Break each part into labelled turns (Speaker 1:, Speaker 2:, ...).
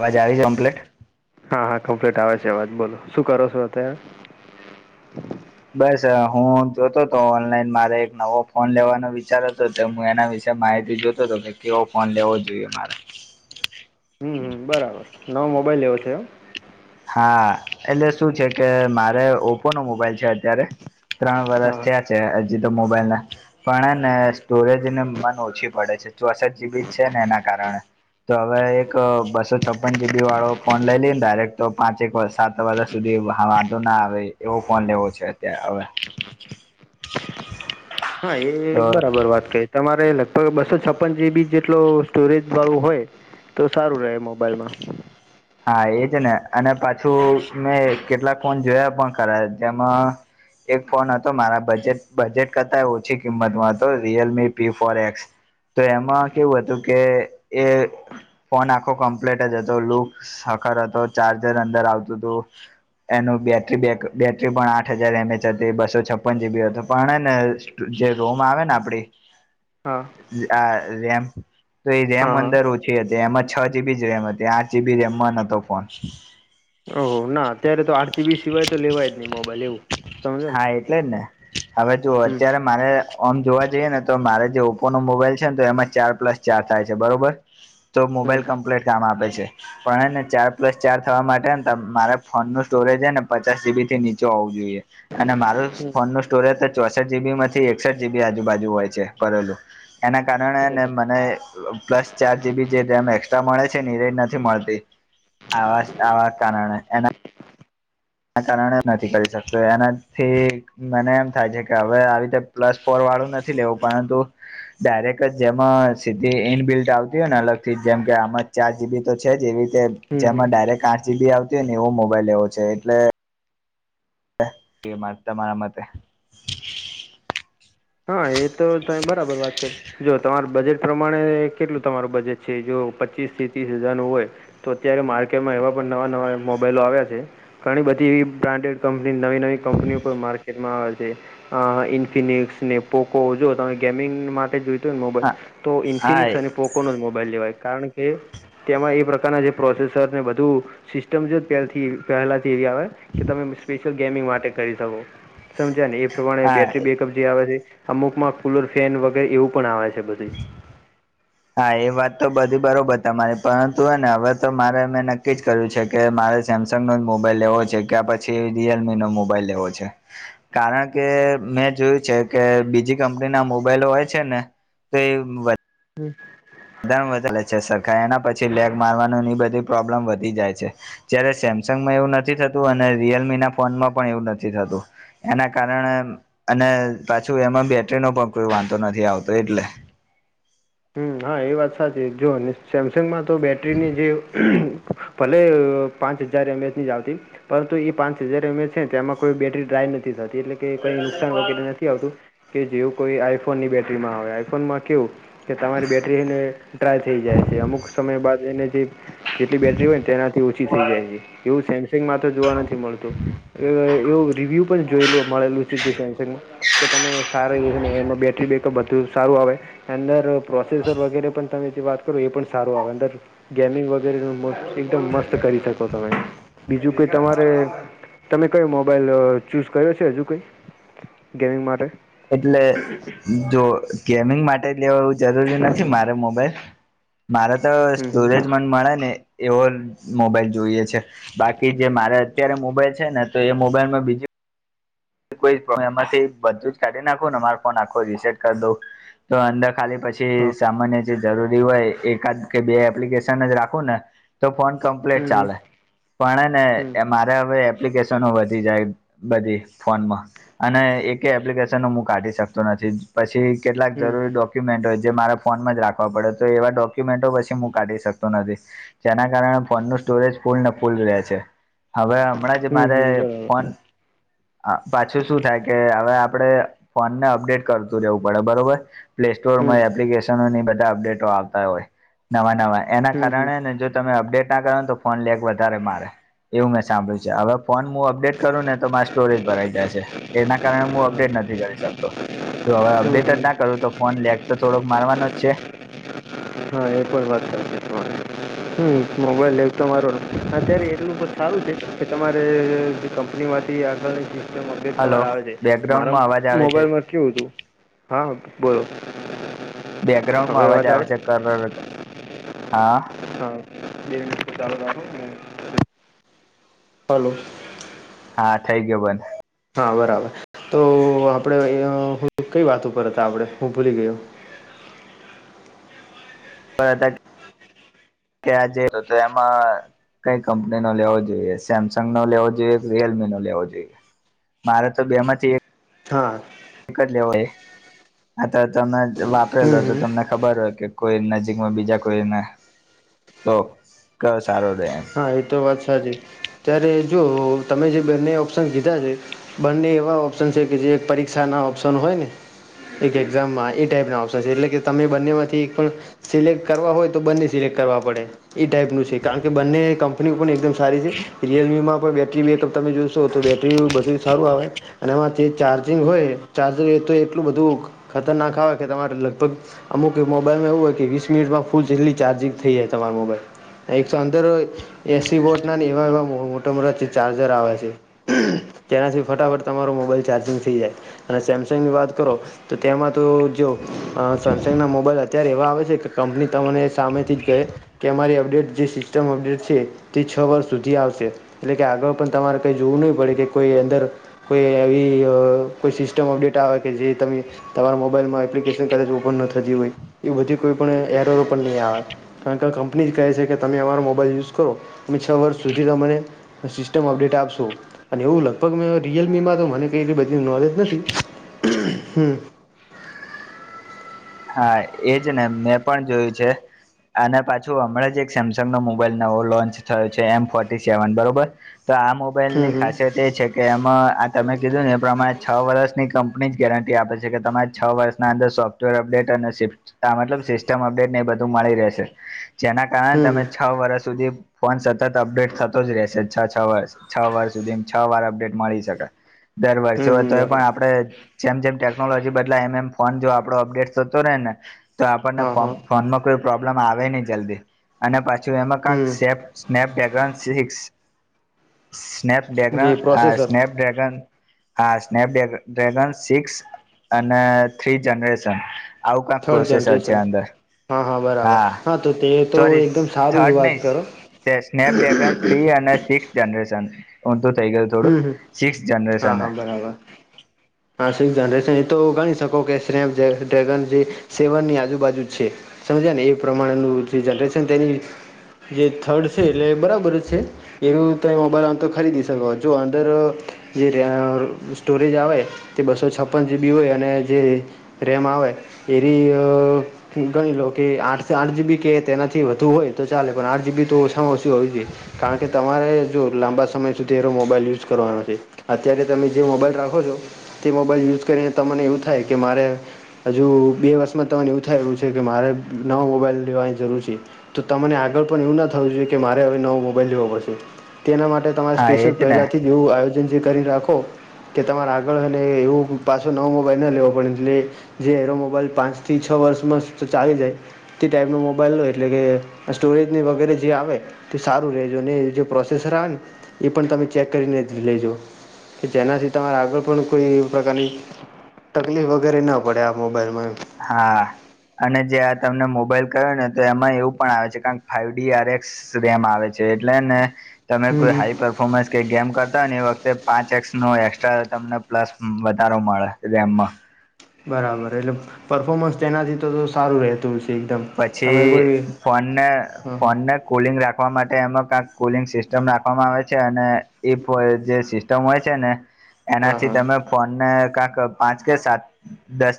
Speaker 1: અવાજ આવી છે? ઓમ્પ્લેટ.
Speaker 2: હા હા ઠોકત આવે છે એવાજ, બોલો શું કરો છો અતાર?
Speaker 1: બસ અ હું જોતો તો ઓનલાઈન, મારે એક નવો ફોન લેવાનો વિચારો હતો, હું એના વિશે માહિતી જોતો તો, ને કેવો ફોન લેવો જોઈએ મારે.
Speaker 2: હમ્મ, બરાબર, નવો મોબાઈલ લેવો છે એમ.
Speaker 1: હા, એટલે શું છે કે, મારે ઓપોનો મોબાઈલ છે અત્યારે. ત્રણ વરસ
Speaker 2: હા
Speaker 1: થયા છે, હજી તો મોબાઈલ ના. પણ અને સ્ટોરેજ ને મન ઓછી પડે છે, ચોસઠ જીબી છેને એના કારણે. તો હવે એક બસો છપ્પન જીબી વાળો ફોન લઈ લઈએ ને ડાયરેક્ટ, તો પાંચેક વરસ સાત વરસ હા વાન ધો ના આવે, એ એવો ફોન લેવો છે અત્યારે હવે.
Speaker 2: હા, એ
Speaker 1: તો
Speaker 2: બરાબર વાત કહિ. તમારે લગભગ બસો છપ્પન જીબી જેટલો સ્ટોરેજ વાળું હોય તો સારું રહે મોબાઈલમાં.
Speaker 1: હા એજ ને અને પાછું મેં કેટલાક ફોન જોયા પણ ખરા જેમાં એક ફોન હતો, મારા બજેટ બજેટ કરતા એ ઓછી કિંમતમાં હતો, રિયલમી પી ફોર એસ. તો એમાં કેવું હતું કે, એ ફોન આખો કમ્પ્લેટ જ હતો, લૂક સાકર હતો, ચાર્જર અંદર આવતું હતું. એનું બેટરી બેકઅ બેટરી પણ આઠ હજાર એમ એચ હતી, બસો છપ્પન જીબી હતો, પણ હેને જે રોમ આવે ને આપડી
Speaker 2: હા
Speaker 1: આ રેમ, તો એ રેમ
Speaker 2: હા
Speaker 1: અંદર
Speaker 2: હા
Speaker 1: ઓછી હતી, એમાં છ જીબીજ રેમ હતી, આઠ જીબી રેમમાં નતો ફોન.
Speaker 2: હો ના અત્યારે તો આઠ જી બી સિવાય તો લેવાય જ નહી મોબાઈલ એવું. સમજો ને
Speaker 1: હા, એટલે જ ને. હવે જો
Speaker 2: હમ
Speaker 1: અત્યારે મારે ઓમ જોવા જઈએ ને, તો મારે જે ઓપો નો મોબાઈલ છે ને, તો એમાં ચાર પ્લસ ચાર થાય છે બરોબર, તો
Speaker 2: હમ
Speaker 1: મોબાઈલ કમ્પ્લીટ કામ આપે છે. પણ એને ચાર પ્લસ ચાર થવા માટે ને મારે ફોન નું સ્ટોરેજ હને પચાસ જીબી થી નીચ ચો હોવુ જોઈએ. અને મારું ફોન નું સ્ટોરેજ તો ચોસઠ જીબી માંથી એકસઠ જીબી આજુબાજુ હોય છે ભરેલું. એના કારણે ને
Speaker 2: હમ
Speaker 1: મને, અ પ્લસ ચાર જીબી જે રેમ એકસ્ટ્રા મળે છે ને, એ રેમ નથી મળતી. આવાસ આવા કારણે ના કારણે નથી કરી શકતું, એનાથી મને એમ થાય છે કે, હવે આવી રીતે પ્લસ ફોર વાળું નથી લેવું, પરંતુ ડાયરેક્ટ જ જેમાં સીધી ઇનબિલ્ટ આવતી હોય ને, અલગ થી જેમ કે આમાં ચાર જીબીતો છેજ, એવી રીતે
Speaker 2: હમ હમ
Speaker 1: જેમાં ડાયરેક્ટ આઠ જીબી આવતી હોય ને એવો મોબાઈલ લેવો છે, એટલે એ મા તમારા મતે.
Speaker 2: હા, એ તો તમે બરાબર વાત કરી, જો તમાર બજેટ પ્રમાણે, કેટલું તમારું બજેટ છે, જો પચીસ થી ત્રીસ હજારનું હોય. તો અત્યારે માર્કેટમાં એવા પણ નવા નવા મોબાઈલો આવ્યા છે. ઘણી બધી બ્રાન્ડેડ કંપની, નવી નવી કંપનીઓ પણ માર્કેટમાં આવે છે. આ ઇન્ફિનિક્સ ને પોકો, જોઓ તમે ગેમિંગ માટે જોઈતો હોને મોબાઈલ,
Speaker 1: હા
Speaker 2: તો
Speaker 1: હા
Speaker 2: ઇન્ફિનિક્સ અને પોક કોનો જ મોબાઈલ લેવાય, કારણ કે તેમાં એ પ્રકારનાં જે પ્રોસેસરને બધું સિસ્ટમ છે, ત્યારથી પહેલાંથી એવી આવે, કે તમે સ્પેશિયલ ગેમિંગ માટે કરી શકો. સમજ્યા ને, એ પ્રમાણે
Speaker 1: હા
Speaker 2: બેટરી બેકઅપ જે આવે એ. અમુકમાં કુલર ફેન વગેરે એવું પણ આવે છે બધુંય.
Speaker 1: હા એ વાત તો બધી બરોબર તમારી. પરંતુ હે ને હવે તો મારે મેં નક્કી જ કર્યું છે. કે મારે સેમસંગ નો જ મોબાઈલ લેવો છે. કા પછી રિયલમીનો મોબાઈલ લેવો છે. કારણ કે મેં જોયું છે કે બીજી કંપનીના મોબાઈલો હોય છે ને તે વધ
Speaker 2: હમ
Speaker 1: વધામાં વધ લે છે સરખા એના પછી લેગ મારવાનું ને ઈ બધી પ્રોબ્લેમ વધી જાય છે. જ્યારે સેમસંગમાં એવું નથી થતું અને રિયલમીના ફોનમાં પણ એવું નથી થતું. એના કારણે અને પાછું એમાં બેટરીનો પણ કોઈ વાંધો નથી આવતો એટલે.
Speaker 2: હમ હા એ વાત સાચી. જો ને સેમસંગમાં તો બેટરીની જે ભલે પાંચ હજાર એમ એચની જ આવતી. પરંતુ એ પાંચ હજાર એમ એચ હે તે એમાં કોઈ બેટરી ડ્રાય નથી થતી એટલે. કે કઈ નુકસાન વગેરે નથી આવતું કે જેવું કોઈ આઈફોનની બેટરીમાં આવે. આઈફોનમાં કેવું કે તમારી બેટરી હેને ડ્રાય થઈ જાય છે. અમુક સમય બાદ એને જે જેટલી બેટરી હોય ને તેનાથી ઓછી થઈ જાય છે. એવું સેમસંગમાં તો જોવા નથી મળતું. એવું રિવ્યુ પણ જોયેલુ મળેલું છે જે સેમસંગમાં. કે તમે સારા હે ને એમાં બેટરી બેકઅપ બધું સારું આવે. અંદર પ્રોસેસર વગેરે પણ તમે જે વાત કરો એ પણ સારું આવે અંદર. ગેમિંગ વગેરે એકદમ મસ્ત કરી શકો તમે. બીજું કઈ તમારે તમે કયો મોબાઈલ ચૂઝ કર્યો છે હજુ કઈ, ગેમિંગ માટે?
Speaker 1: એટલે જો ગેમિંગ માટે લેવું જરૂરી નથી મારે મોબાઈલ. મારે તો
Speaker 2: હમ
Speaker 1: સ્ટોરેજ
Speaker 2: હમ
Speaker 1: મને મળે ને એવો મોબાઈલ જોઈએ છે. બાકી જે મારે અત્યારે મોબાઈલ છે ને તો એ મોબાઈલમાં બીજું કોઈ પણ એમાંથી બધું જ કાઢી નાખું ને મારો ફોન આખો રીસેટ કર દઉ. તો અંદર ખાલી પછી
Speaker 2: હા
Speaker 1: સામાન્ય જે જરૂરી હોય એકાદ કે બે એપ્લિકેશન જ રાખું ને તો ફોન કમ્પ્લીટ
Speaker 2: હમ હમ
Speaker 1: ચાલે. પણ હેને
Speaker 2: હમ
Speaker 1: એમાં હવે એપ્લિકેશનો વધી જાય બધી. ફોનમાં અને એકે એપ્લિકેશન હું કાઢી શકતો નથી. પછી કેટલાક જરૂરી ડોક
Speaker 2: હમ હમ
Speaker 1: ડોક્યુમેન્ટ હોય જે મારા ફોનમાં જ રાખવા પડે. તો એવા ડોક્યુમેન્ટો પછી હું કાઢી શકતો નથી. જેના કારણે ફોનનું સ્ટોરેજ ફૂલ ને ફૂલ રહે છે. હવે હમણાં જ જે
Speaker 2: હમ
Speaker 1: મારે
Speaker 2: હમ બરાબર
Speaker 1: ફોન આ પાછું શું થાય કે હવે આપણે ફોનને અપડેટ કરતું રહેેવું પડે બરોબર. પ્લે
Speaker 2: હમ
Speaker 1: સ્ટોરમાં એપ્લિકેશનનો એ બધા અપડેટો આવતા હોય. નવા નવા એના
Speaker 2: હમ
Speaker 1: કારણે
Speaker 2: હમ
Speaker 1: હેને જો તમે અપડેટ ના કરો ને તો ફોન લેક વધારે મારે એવું મેં સાંભળ્યું છે. હવે ફોન હું અપડેટ કરું ને તો મા સ્ટોરેજ ભરાઈ જાય છે. એના કારણે હું
Speaker 2: હા
Speaker 1: અપડેટ નથી કરી શકતો. જો હવે અપડેટ
Speaker 2: હમ
Speaker 1: જ
Speaker 2: હમ
Speaker 1: ના કરું તો ફોન લેક તો થોડોક મારવાનો જ છે.
Speaker 2: હમ હા એ પણ વાત સાચી તમારે. હમ મોબાઈલ લેવ તો મારવાનો અત્યારે એટલું તો સારું છે. કે તમારે જે કંપનીમાંથી આગળ જે તે અપડેટ
Speaker 1: હલો
Speaker 2: તમારે આવે છે. મારા
Speaker 1: બેકગ્રાઉન્ડમાં અવાજ આવે છે
Speaker 2: મોબાઈલમાં કેવું હતું હા બોલો.
Speaker 1: બેકગ્રાઉન્ડમાં અવાજ આવે છે કરર હા.
Speaker 2: આ બે મિનિટ ચાલુ રાખો. હું હલો
Speaker 1: હા થઈ ગયો બંધ.
Speaker 2: હા બરાબર. તો આપડે કઈ વાત ઉપર હતા આપડે? હું ભૂલી ગયો.
Speaker 1: હતા કે આ જે હતું એમાં કઈ કંપનીનો લેવો જોઈએ, સેમસંગ નો લેવો જોઈએ કે રિયલમીનો લેવો જોઈએ. મારે તો બેમાંથી એક
Speaker 2: હા.
Speaker 1: કરી લેવો જોઈએ, આ તમે વાપરેલો
Speaker 2: હમ
Speaker 1: તો
Speaker 2: હમ
Speaker 1: તમને. ખબર હોય કે, કોઈ નજીકમાં બીજા કોઈને તો, ક સારો રહે એમ.
Speaker 2: હા, એ તો વાત સાચી. ત્યારે જો તમે જે બંને ઓપ્શન કીધા છે. બંને એવા ઓપ્શન છે કે, જે એક પરીક્ષા ના ઓપ્શન હોય ને. એક એક્ઝામમાં એ ટાઈપ ના ઓપ્શન છે, એટલે કે તમે બંને માંથી એક પણ. સિલેક્ટ કરવા હોય તો, બંને સિલેક્ટ કરવા પડે, એ ટાઈપ નું છે, કારણ કે બંને કંપની પણ એકદમ સારી છે, રિયલમીમાં પણ બેઠ બેટરી બેકઅપ તમે જોશો, તો બેટરી બધું સારું આવે. અને એમાંથી ચાર્જિંગ હોય, ચાર્જર એ તો એટલું બધું ખતરનાક આવે, કે તમારે લગભગ અમુક મોબાઈલમાં એવું હોય કે, વીસ મિનિટમાં ફૂલ જેટલી ચાર્જિંગ થઈ જાય, તમારી મોબાઈલ અંદર એસી બોટ ના એવા-એવા, મોટા-મોટા ચાર્જર આવે છે. તેનાથી ફટાફટ તમારો મોબાઈલ ચાર્જિંગ થઈ જાય, અને સેમસંગ ની વાત કરો. તો તેમાં તો જો સેમસંગના મોબાઈલ અત્યારે એવા આવે છે, કે કંપની તને સામેથી જ ગઈ. કે અરી અપડેટ જે સિસ્ટમ અપડેટ છે, તે છ વર્ષ સુધી આવશે. એટલે કે, આગળ પણ તમારે કઈ જોવું નહી પડે, કે કોઈ અંદર કોઈ એવી કોઈ સિસ્ટમ અપડેટ આવે કે, જે તમે. તમારા મોબાઈલમાં એપ્લિકેશન કદાચ ઓપન ન થતી હોય, એ બધી કોઈ એ નહી આવે. કારણ કે કંપની જ કહે છે કે, તમે અમારો મોબાઈલ યુઝ કરો, તમે છ વર્ષ સુધી તમને. સિસ્ટમ અપડેટ આપશો. અને એવું લગભગ મે રિયલમી માં તો મને કઈ બધી નોલેજ નથી, હમ.
Speaker 1: હા, એજ ને મેં પણ જોયું છે. અને પાછું હમણાં જ એક સેમસંગ નો મોબાઈલ નવો લોન્ચ થયો છે, એમ ફોર્ટી સેવન બરોબર. તો આ મોબાઈલ
Speaker 2: હમ
Speaker 1: ની
Speaker 2: હમ
Speaker 1: ખાસિયત એ છે, કે એમાં આ તમે કીધું ને એ પ્રમાણે. છ વર્ષની કંપની જ ગેરંટી આપે છે, કે તમારે છ વર્ષના અંદર સોફ્ટવેર અપડેટ. સિસ્ટમ અપડેટ ને બધું મળી રહેશે, જેના કારણે
Speaker 2: હમ
Speaker 1: તમે. છ વર્ષ સુધી ફોન સતત અપડેટ થતો જ રહેશે, છ-છ વર્ષ. છ વર્ષ, સુધી છ વાર અપડેટ મળી શકાય. દર
Speaker 2: હમ
Speaker 1: વર્ષે હોય
Speaker 2: હમ
Speaker 1: તો, એ
Speaker 2: બરાબર
Speaker 1: પણ આપણે જેમ જેમ ટેકનોલોજી બદલાય, એમ, એમ ફોન જો આપણો અપડેટ થતો રહે ને, તો આપણને
Speaker 2: હા હા
Speaker 1: ફ ફોનમાં કોઈ પ્રોબ્લેમ આવે નહીં જલ્દી. અને પાછું એમાં
Speaker 2: હમ
Speaker 1: કંક સ્નેપ ડેગન સિક્સ. સ્નપ
Speaker 2: જે
Speaker 1: ડ્રેગન આ
Speaker 2: પ્રોસેસર
Speaker 1: સ્નપ ડ્રેગન. હા, સ્નેપ ડગન, સિક્સ અને થ્રી જનરેશન. આવું કંક
Speaker 2: થર્ડ
Speaker 1: પ્રોસેસર છે,
Speaker 2: જનરેશન
Speaker 1: અંદર.
Speaker 2: હા, હા, બરાબર. હા, તો તે તો
Speaker 1: સોરી
Speaker 2: એકદમ સારું
Speaker 1: થર્ડ
Speaker 2: વાત કરો.
Speaker 1: નહી સ્નેપડ્રેગન થ્રી અને સિક્સ જનરેશન ઊધું થઈ ગયું. થોડું સિક્સ જનરેશન.
Speaker 2: વાહ. હ, એ તો ગણી શકો કે, સ ડ્રેગન જે સેવનની આજુબાજુ છે. સમજાય ને, એ પ્રમાણેનું જે જનરેશન તેની. જે થર્ડ છે, એટલે બરાબર જ છે. એવું તમે મોબાઈલ આમ તો ખરીદીશ. જો અંદર જે ર સ્ટોરેજ આવે. તે બસો છપ્પન જીબી હોય, અને જે રેમ આવે એની. ગણી લો, કે આઠ-આઠ જીબી કે તેનાથી વધુ હોય તો ચાલે, પણ આઠ જીબી તો ઓછી હોવી જોઈએ. કારણ કે, તમારે જો લાંબા સમય સુધીરો મોબાઈલ યુઝ કરવાનો છે, અત્યારે તમે જે મોબાઈલ રાખો છો. તે મોબાઈલ યુઝ કરીને, તમને એવું થાય કે મારે. હજુ બે વર્ષમાં તમને એવું થાયેલું છે કે, મારે નવ મોબાઈલ લેવાની જરૂર છે. તો તને આગળ પણ એવું ના થવું જોઈએ, કે મારે હવે નવો મોબાઈલ લેવો પડશે, તેના માટે.
Speaker 1: હા
Speaker 2: સ્પેશલ
Speaker 1: એજ ને
Speaker 2: પહેલાંથી જ જેવું આયોજન જે કરી રાખો. કે તમારે આગળ એવું પાછો નવો મોબાઈલ ન લેવો પડે એટલે જે એરો મોબાઈલ પાંચ થી છ વર્ષમાં ચાલી જાય તે ટાઈપનો મોબાઈલ હોય એટલે કે સ્ટોરેજની વગેરે જે આવે તે સારું રરેજો ને એ જે પ્રોસેસર આવે ને એ પણ તમે ચેક કરીને જ લેજો કે જેનાથી તમારે આગળ પણ કોઈ પ્રકારની તકલીફ વગેરે ના પડે આ મોબાઈલમાં
Speaker 1: હા અને જે આ તમને મોબાઈલ કહ્યો ને તો એમાં એવું પણ આવે છે કારણ ફાઈઇવ ડી આરએક્સ આવે છે એટલે ને તમે
Speaker 2: હમ
Speaker 1: કોઈ
Speaker 2: હમ
Speaker 1: હાઈપર પફોર્મન્સ કે ગેમ કરતા હોય ને એ વખતે પાંચ એક્સનો એક્સ્ટ્રા તમને પ્લસ વધારો મળે રેમમાં
Speaker 2: બરાબર એટલે પરફોર્મન્સ તેનાથી તો તો સારું રહેતું છે એકદમ તમે કોઈ
Speaker 1: પછી ફોન
Speaker 2: હા
Speaker 1: ફોન કુલિંગ રાખવા માટે એમાં કક કુલિંગ સિસ્ટમ રાખવામાં આવે છે અને ઈ જે સસ્ટ મ હોય છે ને
Speaker 2: હા
Speaker 1: એનાથી
Speaker 2: હા
Speaker 1: તમે ફોન ને કંક પાંચ કે સાત દસ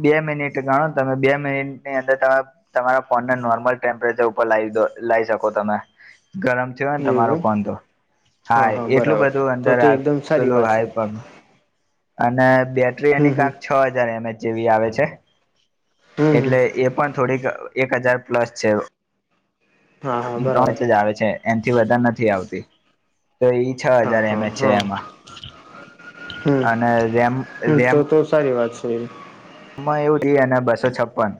Speaker 1: બે મિનિટ ગણો ને તમે બે મિનિટ ની અંદર તમે તમારા ફોનને નોર્મલ ટેમ્પરેચર ઉપર લાવ દો લાવ શકો તમે ગરમ જો ને
Speaker 2: એવું
Speaker 1: તમારો
Speaker 2: એમ
Speaker 1: ફોન તો હા એટલું
Speaker 2: બરાબર
Speaker 1: બધું
Speaker 2: તો
Speaker 1: અંદર
Speaker 2: તો એકદમ સારી
Speaker 1: પેલું
Speaker 2: વાત છે
Speaker 1: હાય પણ અને બેટરી
Speaker 2: હમ
Speaker 1: અનેની
Speaker 2: હમ
Speaker 1: કાંક છ હજાર એમએચ જેવી આવે છે
Speaker 2: હમ હમ
Speaker 1: એટલે એ પણ થોડીક એક હજાર પ્લસ છે
Speaker 2: હા હા બરાબર
Speaker 1: નચ જ આવે છે એનાથી વધારે નથી આવતી તો એ છ
Speaker 2: હા
Speaker 1: હજાર એમ
Speaker 2: હા
Speaker 1: એ છે
Speaker 2: હા
Speaker 1: એમાં
Speaker 2: હમ
Speaker 1: અને રેમ
Speaker 2: હમ
Speaker 1: રેમ
Speaker 2: તો તો સારી વાત છે હ
Speaker 1: માં એવું થ અને બસો છપ્પન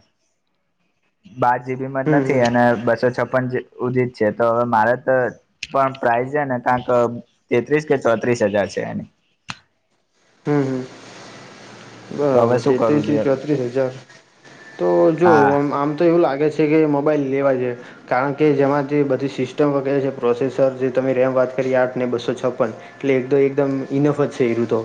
Speaker 1: બાર જીબી માં જ
Speaker 2: હમ
Speaker 1: નથી
Speaker 2: હમ
Speaker 1: અને બસો છપન ઉદિત છે તો હવે મારે તો પણ પ્રઇઝ છે ને કારંક તેત્રીસ કે ચોત્રીસ હજાર છે એની
Speaker 2: હમ હમ
Speaker 1: તો હવે
Speaker 2: બરાબર
Speaker 1: શું કરવું
Speaker 2: તેત્રીસ થી
Speaker 1: જોઈએ
Speaker 2: ચોત્રીસ હજાર તો જો
Speaker 1: હા
Speaker 2: આમ તો એવું લાગે છે છે કે મોબાઈલ લેવા છે કારણ કે જેમાં જે બધી સિસ્ટમ વગેરે છે પ્રોસેસર જે તમે રેમ વાત કરી આઠ ને બસો છપન એટલે એકદ એકદમ ઇનફ જ છે એઋતો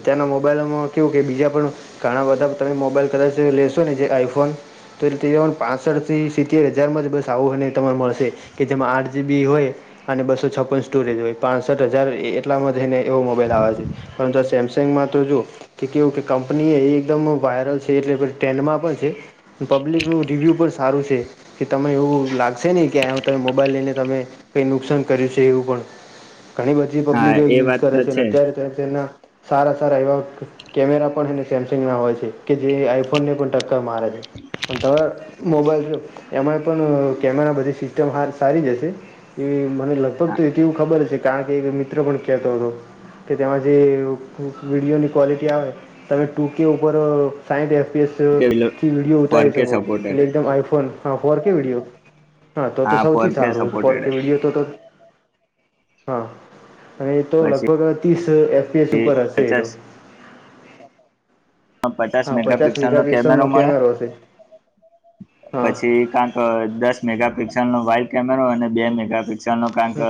Speaker 2: અત્યારના મોબાઈલમાં કે બીજા પણ ઘણા બધા તમે મોબાઈલ કદાચ લેશો ને જે આઈફોન તો એટલે તે પણ પાંસઠથી સિત્તેર હજારમાં જ બસ આવુંને તરે મળશે કે જેમાં આઠ જીબી હોય અને બસો છપન સ્ટોરેજ હોય પાસઠ હજાર એટલામાં જઈને એવો મોબાઈલ આવે છે પરંતુ આ સેમસંગમાં તો જોુ કે કેવું કે કંપની એ એકદમ વાયરલ છે એટલે ટેન્ડમાં પણ છે પબ્લિકનું રિવ્યુ પણ સારું છે કે તમે એવું લાગશે નહીં કેું તમે મોબાઈલ લઈને તમે કઈ નુકસાન કર્યું છે એવું પણ ઘણી બધી
Speaker 1: હા
Speaker 2: પબ્લિકો
Speaker 1: એ
Speaker 2: યુઝ
Speaker 1: વાત
Speaker 2: કરે
Speaker 1: તો
Speaker 2: છે અત્યારે ના સારા સારા એવા કેમેરા પણ એને સેમસંગ ના હોય છે કે જે આઈફોન ને પણ ટક્કર મારે છે અને તમામે મોબાઈલ છો એમાંય પણ કેમેરા બધી સિસ્ટમ હાર સારી જશે એ મને લગભગ તોવું ખબર છે કારણ કે એક મિત્ર પણ કેતો હતો કે તેમાં જે વિડીયોની ક્વોલિટી આવે તમે ટુ કે ઉપર સાઈઠ એફપીએસ
Speaker 1: છે
Speaker 2: થી વિડીયો
Speaker 1: ફોર
Speaker 2: ઉતારી
Speaker 1: કે
Speaker 2: શકો
Speaker 1: સપોર્ટેડ
Speaker 2: એટલે એકદમ આઈફોન હા ફોર કે વિડીયો હા તો તો
Speaker 1: ફોર
Speaker 2: સૌથી
Speaker 1: કે
Speaker 2: સારું કો
Speaker 1: સપોર્ટેડ
Speaker 2: કે વિડીયો તો તો હા અને એ તો
Speaker 1: પછી
Speaker 2: લગભગ ત્રીસ એફએસ ઉપર હશે એ
Speaker 1: પચાસ
Speaker 2: [unintelligible]
Speaker 1: આમ પચાસ મેગાપિક્સલ નો કેમેરો મળે
Speaker 2: હા
Speaker 1: પછી કંક દસ મેગાપિક્સલ નો વાઇવ કેમેરો અને બે મેગાપિક શિક્ણ ન કંક
Speaker 2: હમ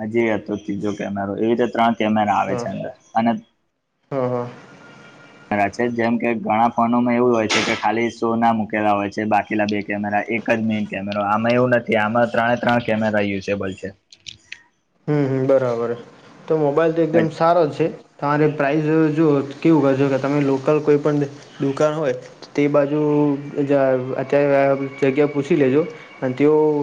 Speaker 1: આજી હતો ત્રીજો કેરો એવી રીતે ત્રણ કેમેરા આવે
Speaker 2: હા
Speaker 1: છે ને અને
Speaker 2: હા, હા.
Speaker 1: ઘણા છે જેમ કે ઘણા ફોનોમાં એવું હોય છે કે ખાલી શો ના મુૂકેલા હોય છે બાકીલા બે કેમેરા એક એક જ મેન કેમેરો આમાં એવું નથી આમાં ત્રણે ત્રણ કેમેરા યુઝેબલ છે.
Speaker 2: હમ્મ, હમ્મ બરાબર. તો મોબાઈલ તો એકદમ સારો છે. તમારે પ્રાઇસ જો કેવું કરજો કે તમે લોકલ કોઈ પણ દુકાન હોય તે બાજુ જા અત્યારે આ જગ્યા પૂછી લેજો અને તેઓ